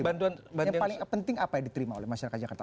bantuan yang paling penting apa yang diterima oleh masyarakat jakarta